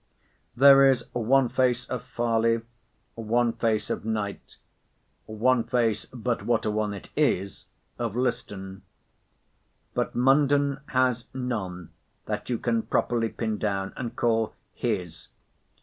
There is one face of Farley, one face of Knight, one face (but what a one it is!) of Liston; but Munden has none that you can properly pin down, and call his.